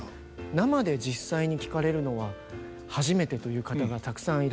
生で実際に聴かれるのは初めてという方がたくさんいらっしゃって。